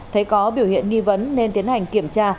thấy có biểu hiện nghi vấn nên tiến hành kiểm tra